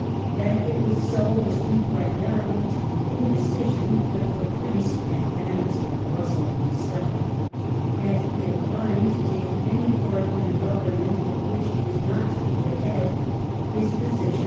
^ That Attitude of it was so was due primarily to the indecision, the caprice, and van R^gsJiJ'^" ity of Russell himself. ^ Had he declined to take any part in a Government of which he was not to be the head, his position would 1 Graham, ii.